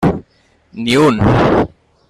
Ni un.